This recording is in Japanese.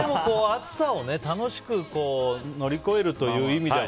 暑さを楽しく乗り越えるという意味では